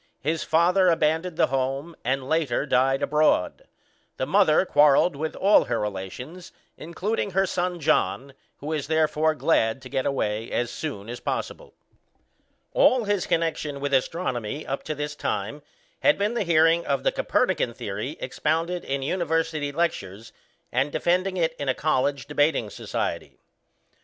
His father abandoned the home, and later died abroad. The mother quarrelled with all her relations, including her son John; who was therefore glad to get away as soon as possible. All his connection with astronomy up to this time had been the hearing the Copernican theory expounded in University lectures, and defending it in a college debating society.